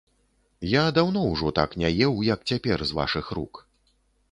Я даўно ўжо так не еў, як цяпер з вашых рук.